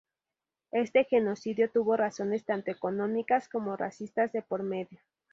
Este genocidio tuvo razones tanto económicas como racistas de por medio.